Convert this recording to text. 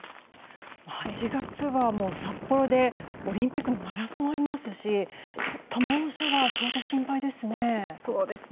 ８月は札幌でオリンピックのマラソンがありますしちょっと猛暑は相当心配ですね。